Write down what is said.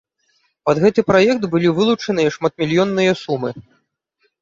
Пад гэты праект былі вылучаныя шматмільённыя сумы.